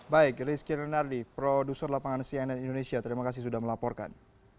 baik rizky renardi produser lapangan cnn indonesia terima kasih sudah melaporkan